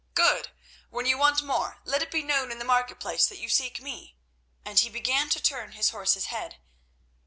"Good. When you want more, let it be known in the market places that you seek me," and he began to turn his horse's head.